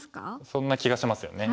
そんな気がしますよね。